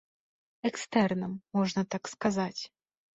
Экстэрнам, можна так сказаць.